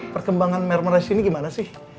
perkembangan mermeras ini gimana sih